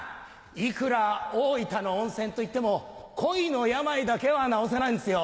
いくら大分の温泉といっても恋の病だけは治せないんですよ。